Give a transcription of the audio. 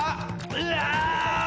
うわ！